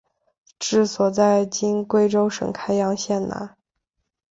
治所在今贵州省开阳县南。